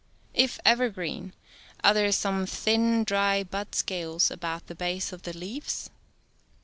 If evergreen, are there some thin dry bud scales about the base of the leaves